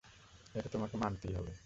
এটা তোমাকে মানতেই হবে।